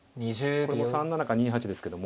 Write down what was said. これも３七か２八ですけども。